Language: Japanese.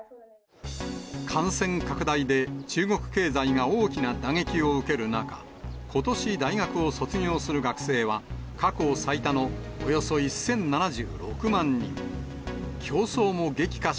感染拡大で中国経済が大きな打撃を受ける中、ことし、大学を卒業する学生は、過去最多のおよそ１０７６万人。